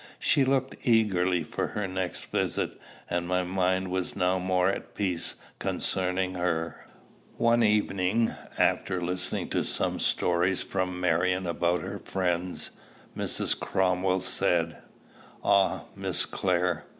She looked eagerly for her next visit, and my mind was now more at peace concerning her. One evening, after listening to some stories from Marion about her friends, Mrs. Cromwell said, "Ah, Miss Clare!